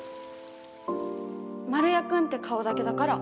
丸谷くんって顔だけだから。